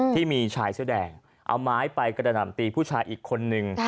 ที่มีชายเสื้อแดงเอาไม้ไปกระหน่ำตีผู้ชายอีกคนนึง